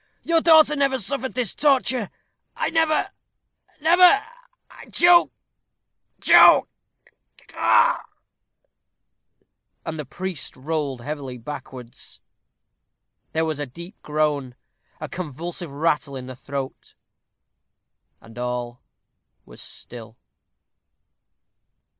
Your daughter never suffered this torture never never. I choke choke oh!" And the priest rolled heavily backwards. There was a deep groan; a convulsive rattle in the throat; and all was still.